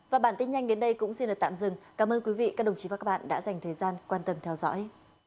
và bản tin nhanh đến đây cũng xin được tạm dừng cảm ơn quý vị các đồng chí và các bạn đã dành thời gian quan tâm theo dõi